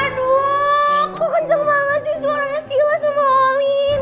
aduh kok kenceng banget sih suaranya sila sama olin